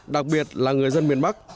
đặc biệt là người dân miền bắc